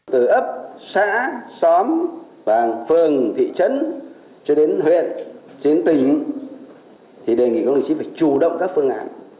từ ấp xã xóm phường thị trấn cho đến huyện đến tỉnh thì đề nghị công đồng chí phải chủ động các phương án